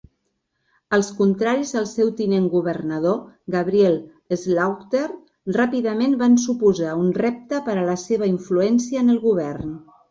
Els contraris al seu tinent governador, Gabriel Slaughter, ràpidament van suposar un repte per a la seva influència en el govern.